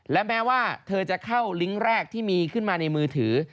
และแม้ว่าเธอจะเข้าลิงก์แรกที่มีขึ้นมาในมือถือ